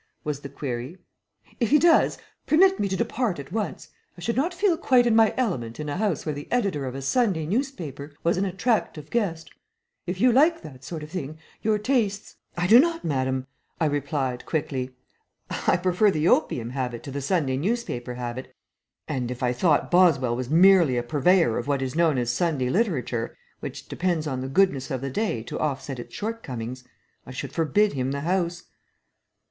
was the query. "If he does, permit me to depart at once. I should not feel quite in my element in a house where the editor of a Sunday newspaper was an attractive guest. If you like that sort of thing, your tastes " "I do not, madame," I replied, quickly. "I prefer the opium habit to the Sunday newspaper habit, and if I thought Boswell was merely a purveyor of what is known as Sunday literature, which depends on the goodness of the day to offset its shortcomings, I should forbid him the house."